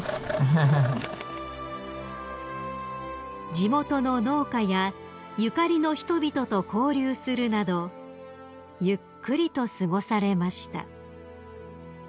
［地元の農家やゆかりの人々と交流するなどゆっくりと過ごされました］